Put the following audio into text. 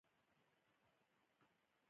غاښونه څه دنده لري؟